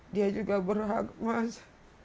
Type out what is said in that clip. dia juga berhak mas